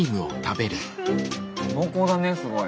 濃厚だねすごい。